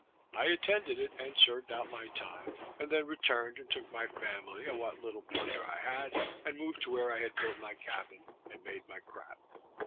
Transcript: I attended it, and served out my time, and then returned, and took my family and what little plunder I had, and moved to where I had built my cabin, and made my crap.